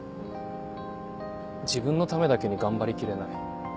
自分のためだけに頑張り切れない。